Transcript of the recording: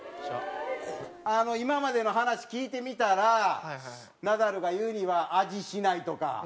今までの話聞いてみたらナダルが言うには味しないとか。